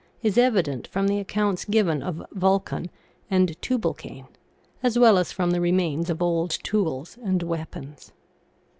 is evident from the accounts given of Vulcan and Tubalcain, as well as from the remains of old tools and weapons.